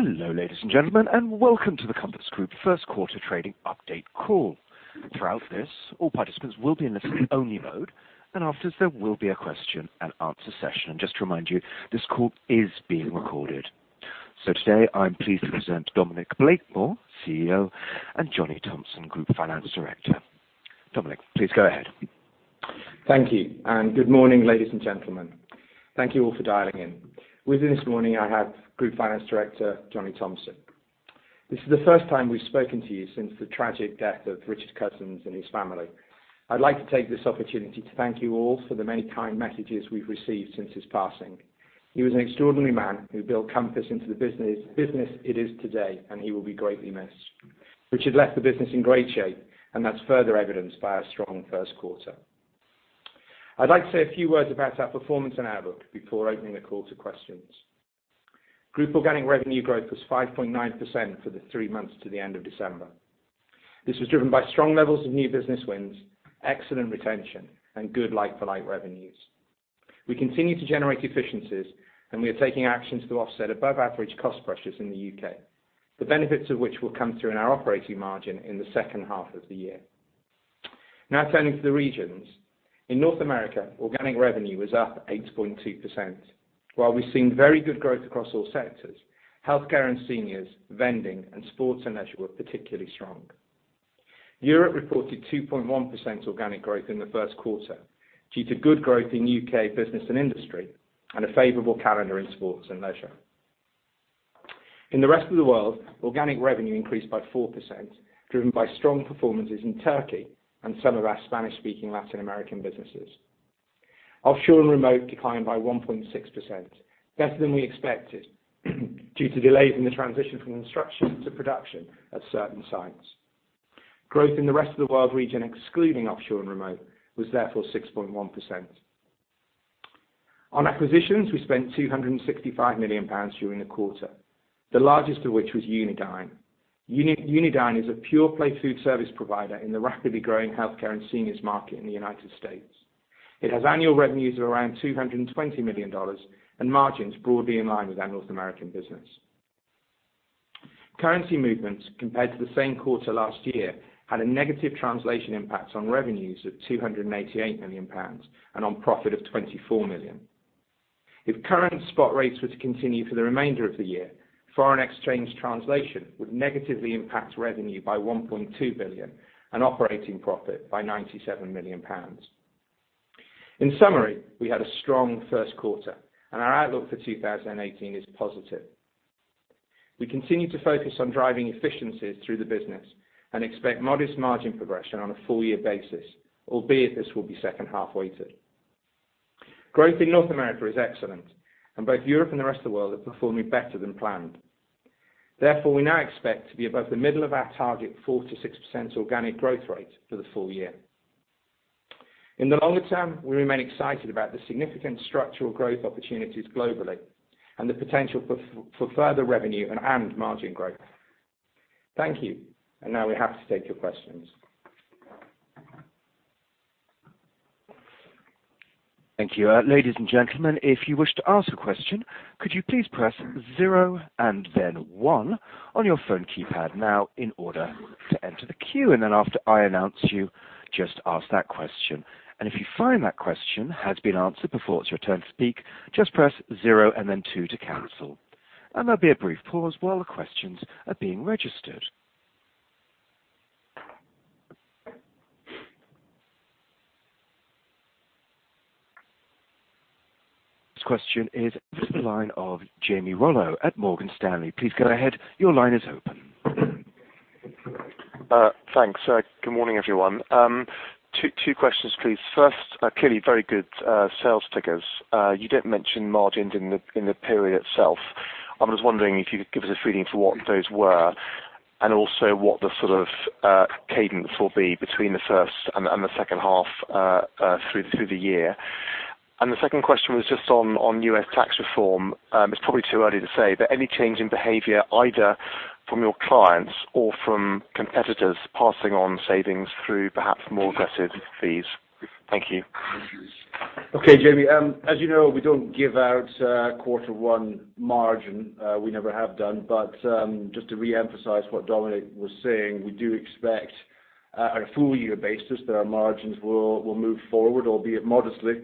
Hello, ladies and gentlemen, and welcome to the Compass Group first quarter trading update call. Throughout this, all participants will be in listen only mode, and afterwards there will be a question and answer session. Just to remind you, this call is being recorded. Today I'm pleased to present Dominic Blakemore, CEO, and Johnny Thomson, Group Finance Director. Dominic, please go ahead. Thank you, and good morning, ladies and gentlemen. Thank you all for dialing in. With me this morning, I have Group Finance Director Johnny Thomson. This is the first time we've spoken to you since the tragic death of Richard Cousins and his family. I'd like to take this opportunity to thank you all for the many kind messages we've received since his passing. He was an extraordinary man who built Compass into the business it is today, and he will be greatly missed. Richard left the business in great shape, and that's further evidenced by our strong first quarter. I'd like to say a few words about our performance and outlook before opening the call to questions. Group organic revenue growth was 5.9% for the three months to the end of December. This was driven by strong levels of new business wins, excellent retention, and good like-for-like revenues. We continue to generate efficiencies, and we are taking action to offset above-average cost pressures in the U.K., the benefits of which will come through in our operating margin in the second half of the year. Turning to the regions. In North America, organic revenue was up 8.2%. While we've seen very good growth across all sectors, healthcare and seniors, vending, and sports and leisure were particularly strong. Europe reported 2.1% organic growth in the first quarter due to good growth in U.K. business and industry and a favorable calendar in sports and leisure. In the rest of the world, organic revenue increased by 4%, driven by strong performances in Turkey and some of our Spanish-speaking Latin American businesses. Offshore and remote declined by 1.6%, better than we expected due to delays in the transition from construction to production at certain sites. Growth in the rest of the world region, excluding offshore and remote, was therefore 6.1%. On acquisitions, we spent 265 million pounds during the quarter, the largest of which was Unidine. Unidine is a pure play food service provider in the rapidly growing healthcare and seniors market in the U.S. It has annual revenues of around $220 million and margins broadly in line with our North American business. Currency movements compared to the same quarter last year had a negative translation impact on revenues of 288 million pounds and on profit of 24 million. If current spot rates were to continue for the remainder of the year, foreign exchange translation would negatively impact revenue by 1.2 billion and operating profit by 97 million pounds. In summary, we had a strong first quarter, and our outlook for 2018 is positive. We continue to focus on driving efficiencies through the business and expect modest margin progression on a full-year basis, albeit this will be second-half weighted. Growth in North America is excellent, and both Europe and the rest of the world are performing better than planned. Therefore, we now expect to be above the middle of our target 4%-6% organic growth rate for the full year. In the longer term, we remain excited about the significant structural growth opportunities globally and the potential for further revenue and margin growth. Thank you. Now we have to take your questions. Thank you. Ladies and gentlemen, if you wish to ask a question, could you please press zero and then one on your phone keypad now in order to enter the queue. Then after I announce you, just ask that question. If you find that question has been answered before it's your turn to speak, just press zero and then two to cancel. There'll be a brief pause while the questions are being registered. This question is to the line of Jamie Rollo at Morgan Stanley. Please go ahead. Your line is open. Thanks. Good morning, everyone. Two questions, please. First, clearly very good sales figures. You didn't mention margins in the period itself. I'm just wondering if you could give us a feeling for what those were, and also what the sort of cadence will be between the first and the second half through the year. The second question was just on U.S. tax reform. It's probably too early to say, but any change in behavior either from your clients or from competitors passing on savings through perhaps more aggressive fees? Thank you. Okay, Jamie. As you know, we don't give out Quarter One margin. We never have done. Just to reemphasize what Dominic was saying, we do expect on a full-year basis that our margins will move forward, albeit modestly.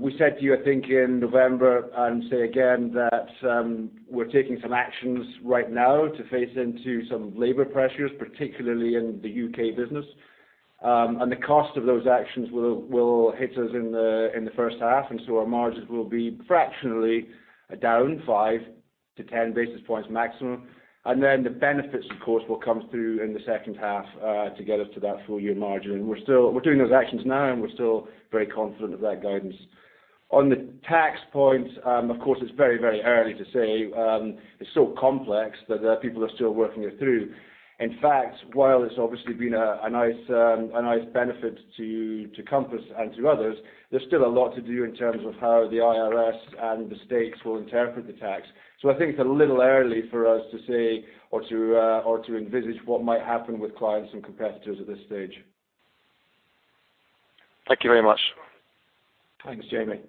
We said to you, I think, in November, say again that we're taking some actions right now to face into some labor pressures, particularly in the U.K. business. The cost of those actions will hit us in the first half, so our margins will be fractionally down 5-10 basis points maximum. Then the benefits, of course, will come through in the second half to get us to that full-year margin. We're doing those actions now, we're still very confident of that guidance. On the tax point, of course, it's very early to say. It's so complex that people are still working it through. In fact, while it's obviously been a nice benefit to Compass and to others, there's still a lot to do in terms of how the IRS and the states will interpret the tax. I think it's a little early for us to say or to envisage what might happen with clients and competitors at this stage. Thank you very much. Thanks, Jamie.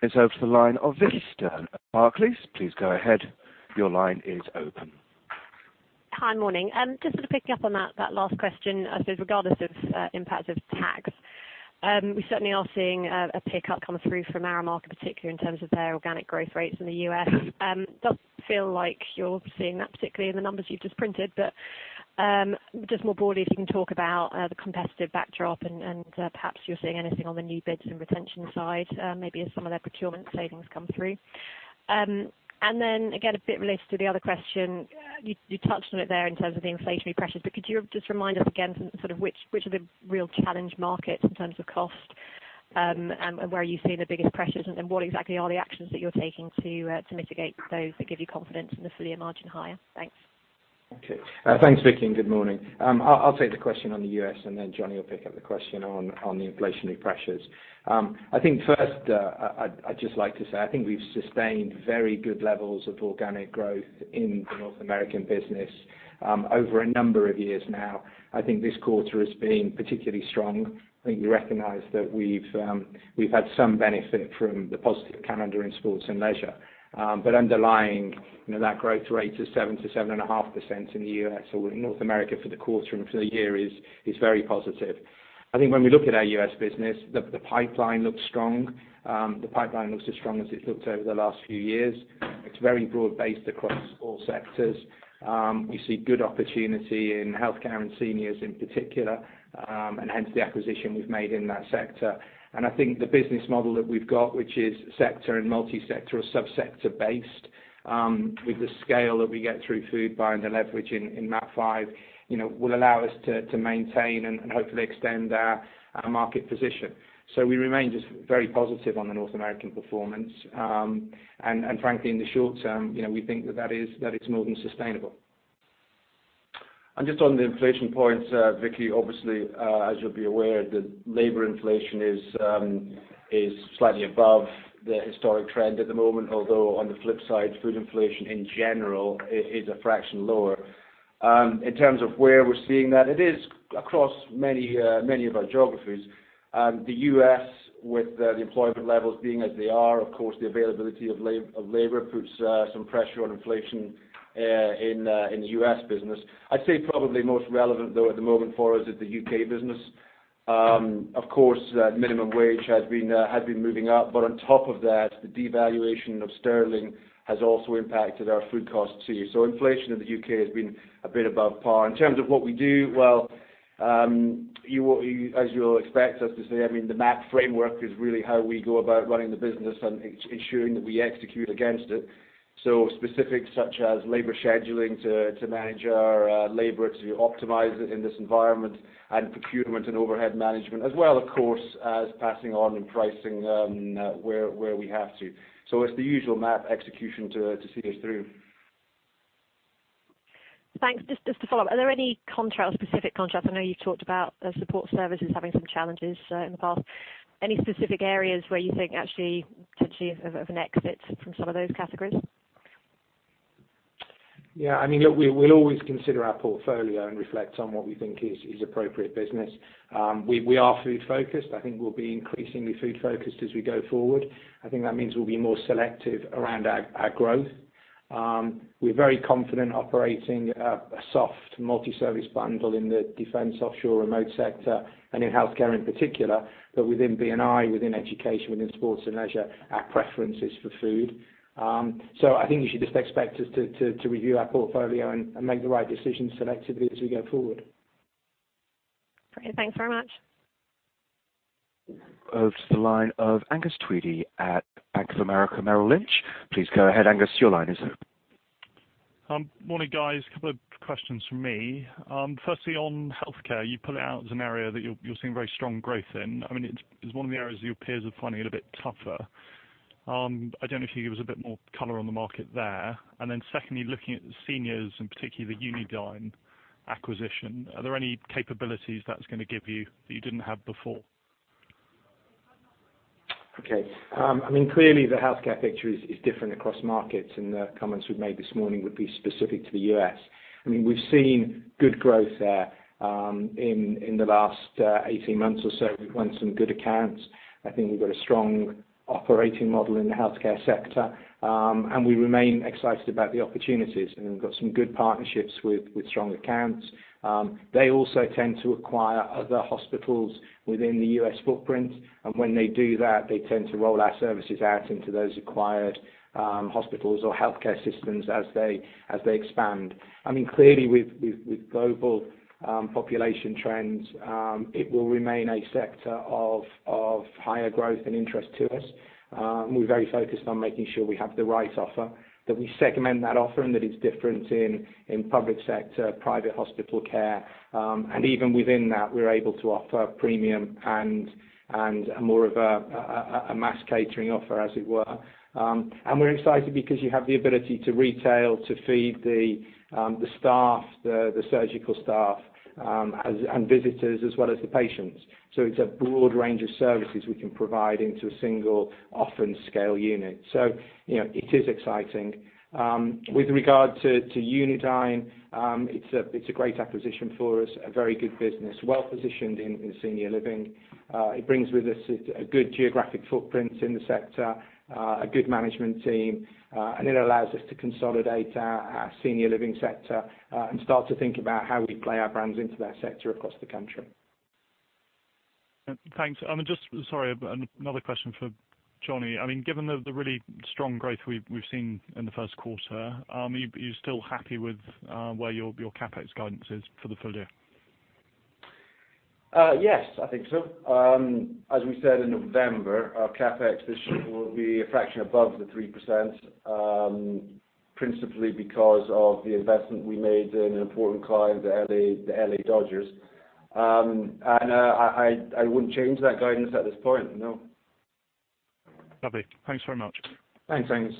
It's over to the line of Vicki Stern at Barclays. Please go ahead. Your line is open. Hi, morning. Just sort of picking up on that last question, I suppose regardless of impacts of tax, we certainly are seeing a pickup come through from Aramark, particularly in terms of their organic growth rates in the U.S. Doesn't feel like you're seeing that particularly in the numbers you've just printed. Just more broadly, if you can talk about the competitive backdrop and perhaps you're seeing anything on the new bids and retention side, maybe as some of their procurement savings come through. Then, again, a bit related to the other question, you touched on it there in terms of the inflationary pressures, could you just remind us again sort of which are the real challenge markets in terms of cost? Where are you seeing the biggest pressures, What exactly are the actions that you're taking to mitigate those that give you confidence in the full year margin higher? Thanks. Okay. Thanks, Vicki, Good morning. I'll take the question on the U.S., Then Johnny Thomson will pick up the question on the inflationary pressures. I think first, I'd just like to say, I think we've sustained very good levels of organic growth in the North American business over a number of years now. I think this quarter has been particularly strong. I think you recognize that we've had some benefit from the positive calendar in sports and leisure. Underlying, that growth rate is 7% to 7.5% in the U.S. or in North America for the quarter and for the year is very positive. I think when we look at our U.S. business, the pipeline looks strong. The pipeline looks as strong as it's looked over the last few years. It's very broad-based across all sectors. We see good opportunity in healthcare and seniors in particular, Hence the acquisition we've made in that sector. I think the business model that we've got, which is sector and multi-sector or sub-sector based, with the scale that we get through food buying and the leverage in MAP 5, will allow us to maintain and hopefully extend our market position. We remain just very positive on the North American performance. Frankly, in the short term, we think that it's more than sustainable. Just on the inflation point, Vicki, obviously, as you'll be aware, the labor inflation is slightly above the historic trend at the moment. Although on the flip side, food inflation in general is a fraction lower. In terms of where we're seeing that, it is across many of our geographies. The U.S. with the employment levels being as they are, of course, the availability of labor puts some pressure on inflation in the U.S. business. I'd say probably most relevant, though, at the moment for us is the U.K. business. Of course, minimum wage had been moving up, but on top of that, the devaluation of sterling has also impacted our food costs, too. Inflation in the U.K. has been a bit above par. In terms of what we do, well, as you'll expect us to say, the MAP framework is really how we go about running the business and ensuring that we execute against it. Specifics such as labor scheduling to manage our labor, to optimize it in this environment, and procurement and overhead management as well, of course, as passing on and pricing where we have to. It's the usual MAP execution to see us through. Thanks. Just to follow up, are there any specific contracts? I know you've talked about the support services having some challenges in the past. Any specific areas where you think actually potentially of an exit from some of those categories? Yeah, look, we'll always consider our portfolio and reflect on what we think is appropriate business. We are food focused. I think we'll be increasingly food focused as we go forward. I think that means we'll be more selective around our growth. We're very confident operating a soft multi-service bundle in the defense offshore remote sector and in healthcare in particular, but within B&I, within education, within sports and leisure, our preference is for food. I think you should just expect us to review our portfolio and make the right decisions selectively as we go forward. Okay. Thanks very much. Over to the line of Angus Tweedie at Bank of America Merrill Lynch. Please go ahead, Angus. Your line is open. Morning, guys. Couple of questions from me. Firstly, on healthcare, you put it out as an area that you're seeing very strong growth in. It's one of the areas your peers are finding it a bit tougher. I don't know if you can give us a bit more color on the market there. Secondly, looking at the seniors and particularly the Unidine acquisition, are there any capabilities that's going to give you that you didn't have before? Okay. Clearly the healthcare picture is different across markets, and the comments we've made this morning would be specific to the U.S. We've seen good growth there in the last 18 months or so. We've won some good accounts. I think we've got a strong operating model in the healthcare sector, and we remain excited about the opportunities, and we've got some good partnerships with strong accounts. They also tend to acquire other hospitals within the U.S. footprint, and when they do that, they tend to roll our services out into those acquired hospitals or healthcare systems as they expand. Clearly with global population trends, it will remain a sector of higher growth and interest to us. We're very focused on making sure we have the right offer, that we segment that offer, and that it's different in public sector, private hospital care. Even within that, we're able to offer premium and more of a mass catering offer, as it were. We're excited because you have the ability to retail, to feed the staff, the surgical staff, and visitors as well as the patients. It's a broad range of services we can provide into a single offer and scale unit. It is exciting. With regard to Unidine, it's a great acquisition for us, a very good business, well-positioned in senior living. It brings with us a good geographic footprint in the sector, a good management team, and it allows us to consolidate our senior living sector and start to think about how we play our brands into that sector across the country. Thanks. Just sorry, another question for Johnny. Given the really strong growth we've seen in the first quarter, are you still happy with where your CapEx guidance is for the full year? Yes, I think so. As we said in November, our CapEx this year will be a fraction above the 3%, principally because of the investment we made in an important client, the L.A. Dodgers. I wouldn't change that guidance at this point, no. Lovely. Thanks very much. Thanks. We'll have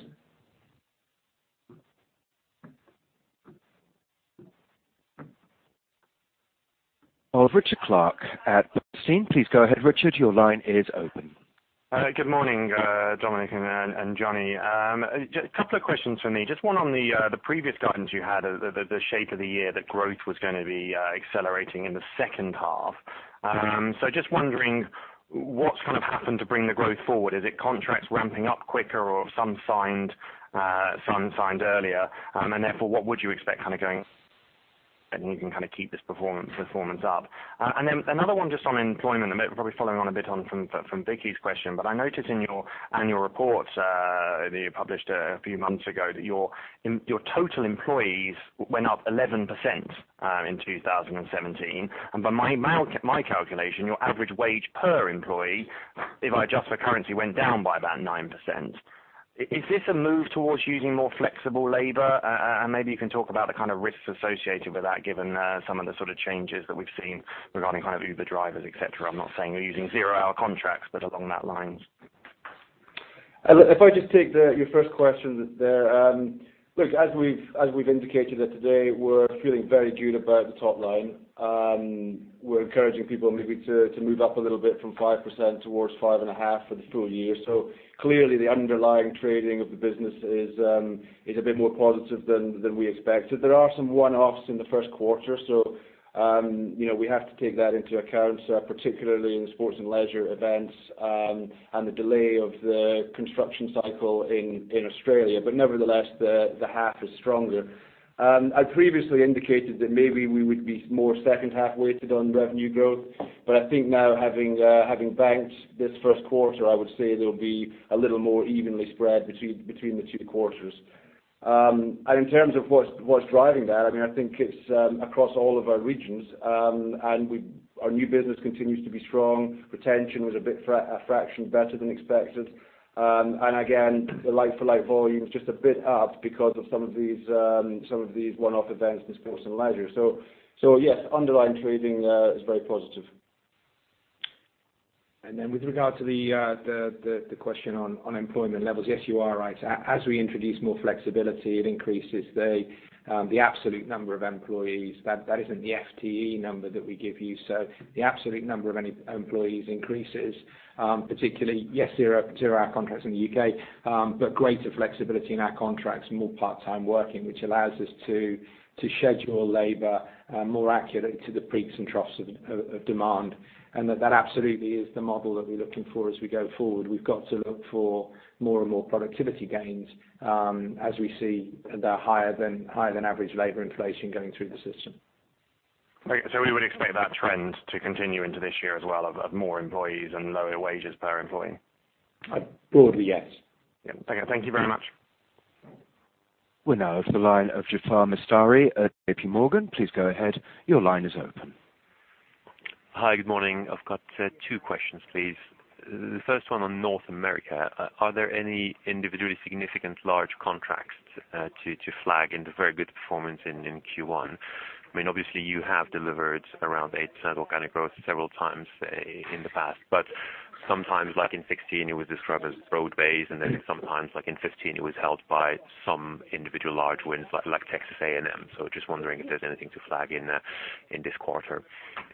Richard Clarke at Bernstein. Please go ahead, Richard. Your line is open. Good morning, Dominic and Johnny. A couple of questions from me. Just one on the previous guidance you had, the shape of the year, that growth was going to be accelerating in the second half. Just wondering, what's happened to bring the growth forward? Is it contracts ramping up quicker or some signed earlier? Therefore, what would you expect going and you can keep this performance up? Then another one just on employment, and maybe probably following on a bit from Vicki's question, but I noticed in your annual report that you published a few months ago that your total employees went up 11% in 2017. By my calculation, your average wage per employee, if I adjust for currency, went down by about 9%. Is this a move towards using more flexible labor? Maybe you can talk about the kind of risks associated with that, given some of the sort of changes that we've seen regarding Uber drivers, et cetera. I'm not saying you're using zero-hour contracts, but along that line. If I just take your first question there. Look, as we've indicated today, we're feeling very good about the top line. We're encouraging people maybe to move up a little bit from 5% towards 5.5 for the full year. Clearly, the underlying trading of the business is a bit more positive than we expected. There are some one-offs in the first quarter, we have to take that into account, particularly in sports and leisure events, and the delay of the construction cycle in Australia. Nevertheless, the half is stronger. I previously indicated that maybe we would be more second-half weighted on revenue growth. I think now, having banked this first quarter, I would say they'll be a little more evenly spread between the two quarters. In terms of what's driving that, I think it's across all of our regions, our new business continues to be strong. Retention was a fraction better than expected. Again, the like-for-like volume is just a bit up because of some of these one-off events in sports and leisure. Yes, underlying trading is very positive. With regard to the question on employment levels, yes, you are right. As we introduce more flexibility, it increases the absolute number of employees. That isn't the FTE number that we give you. The absolute number of any employees increases, particularly, yes, zero-hour contracts in the U.K., but greater flexibility in our contracts, more part-time working, which allows us to schedule labor more accurately to the peaks and troughs of demand. That absolutely is the model that we're looking for as we go forward. We've got to look for more and more productivity gains as we see the higher than average labor inflation going through the system. We would expect that trend to continue into this year as well of more employees and lower wages per employee? Broadly, yes. Yeah. Okay. Thank you very much. We now have the line of Jaafar Mestari at JPMorgan. Please go ahead. Your line is open. Hi. Good morning. I've got two questions, please. The first one on North America, are there any individually significant large contracts to flag in the very good performance in Q1? Obviously, you have delivered around 8% organic growth several times in the past. Sometimes like in 2016, it was described as broad base, then sometimes like in 2015, it was held by some individual large wins like Texas A&M. Just wondering if there's anything to flag in this quarter.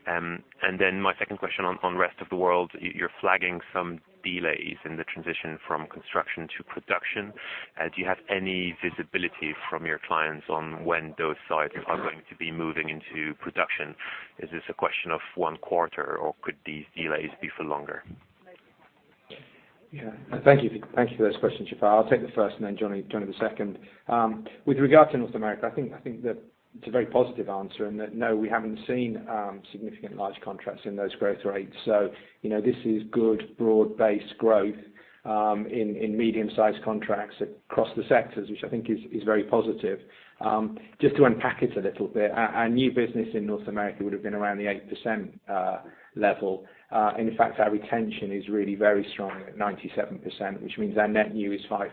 My second question on rest of the world, you're flagging some delays in the transition from construction to production. Do you have any visibility from your clients on when those sites are going to be moving into production? Is this a question of one quarter, or could these delays be for longer? Yeah. Thank you for those questions, Jaafar. I'll take the first, then Johnny the second. With regard to North America, I think that it's a very positive answer in that no, we haven't seen significant large contracts in those growth rates. This is good, broad-based growth in medium-sized contracts across the sectors, which I think is very positive. Just to unpack it a little bit, our new business in North America would have been around the 8% level. In fact, our retention is really very strong at 97%, which means our net new is 5%.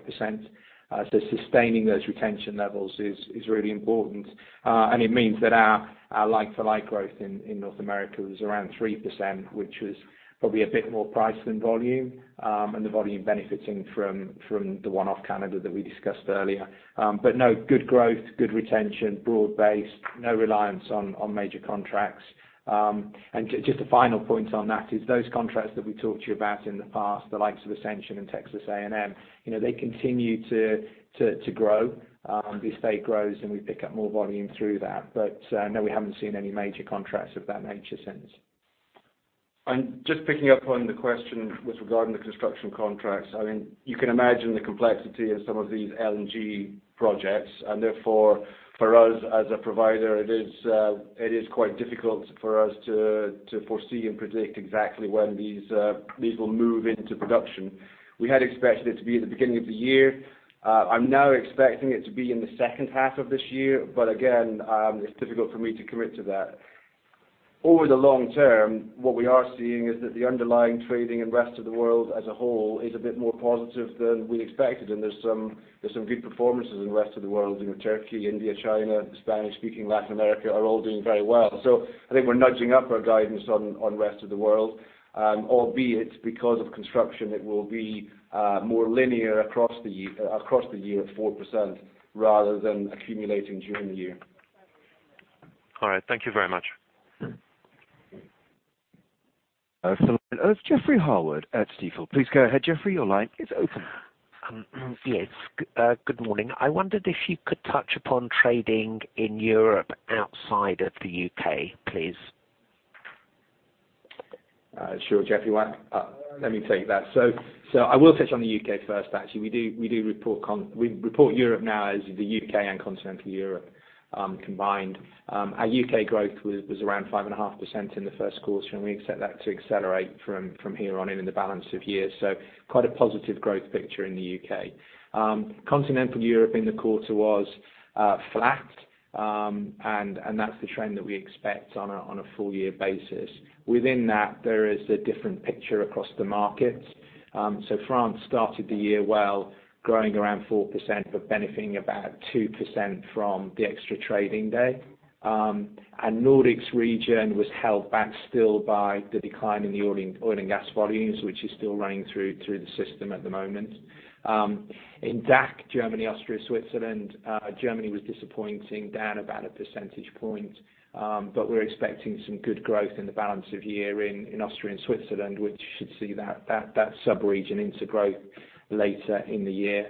Sustaining those retention levels is really important. It means that our like-for-like growth in North America was around 3%, which was probably a bit more price than volume, and the volume benefiting from the one-off Canada that we discussed earlier. No, good growth, good retention, broad base, no reliance on major contracts. Just a final point on that is those contracts that we talked to you about in the past, the likes of Ascension and Texas A&M, they continue to grow. The estate grows, and we pick up more volume through that. No, we haven't seen any major contracts of that nature since. Just picking up on the question with regard to the construction contracts. You can imagine the complexity of some of these LNG projects, and therefore, for us as a provider, it is quite difficult for us to foresee and predict exactly when these will move into production. We had expected it to be at the beginning of the year. I'm now expecting it to be in the second half of this year, but again, it's difficult for me to commit to that. Over the long term, what we are seeing is that the underlying trading in the rest of the world as a whole is a bit more positive than we expected, and there are some good performances in the rest of the world. Turkey, India, China, and Spanish-speaking Latin America are all doing very well. I think we're nudging up our guidance on the rest of the world, albeit because of construction, it will be more linear across the year at 4% rather than accumulating during the year. All right. Thank you very much. Philip, it's Jeffrey Harwood at Stifel. Please go ahead, Jeffrey. Your line is open. Yes. Good morning. I wondered if you could touch upon trading in Europe outside of the U.K., please. Sure, Jeffrey. Let me take that. I will touch on the U.K. first, actually. We report Europe now as the U.K. and Continental Europe combined. Our U.K. growth was around 5.5% in the first quarter, and we expect that to accelerate from here on in in the balance of the year. Quite a positive growth picture in the U.K. Continental Europe in the quarter was flat, and that's the trend that we expect on a full-year basis. Within that, there is a different picture across the markets. France started the year well, growing around 4%, but benefiting about 2% from the extra trading day. The Nordics region was held back still by the decline in the oil and gas volumes, which is still running through the system at the moment. In DACH, Germany, Austria, Switzerland, Germany was disappointing, down about a percentage point. We're expecting some good growth in the balance of the year in Austria and Switzerland, which should see that sub-region integrate later in the year.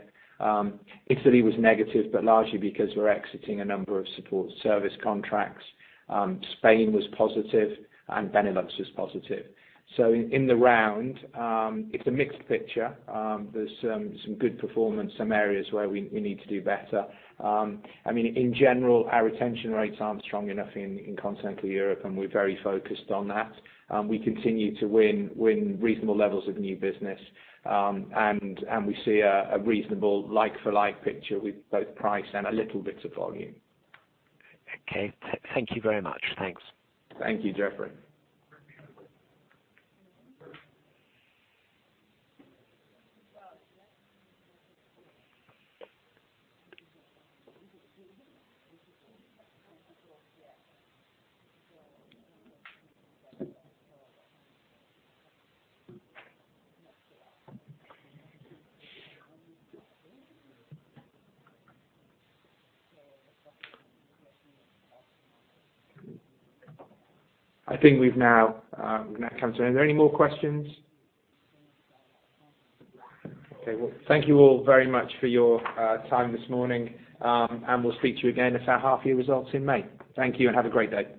Italy was negative, largely because we're exiting a number of support service contracts. Spain was positive, and Benelux was positive. In the round, it's a mixed picture. There are some good performance, some areas where we need to do better. In general, our retention rates aren't strong enough in continental Europe, and we're very focused on that. We continue to win reasonable levels of new business, and we see a reasonable like-for-like picture with both price and a little bit of volume. Okay. Thank you very much. Thanks. Thank you, Jeffrey. I think we've now come to an end. Are there any more questions? Okay. Well, thank you all very much for your time this morning, and we'll speak to you again about our half year results in May. Thank you, and have a great day.